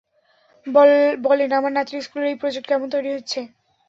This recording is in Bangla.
বলেন, আমার নাতির স্কুলের এই প্রজেক্ট, কেমন তৈরি হচ্ছে?